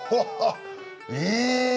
え！